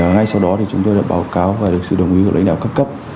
ngay sau đó thì chúng tôi đã báo cáo và được sự đồng ý của lãnh đạo cấp cấp